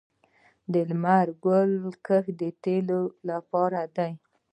د لمر ګل کښت د تیلو لپاره دی